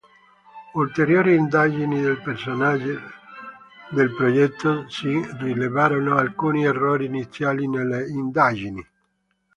Ulteriori indagini del personale del Progetto Sign rilevarono alcuni errori iniziali nelle indagini.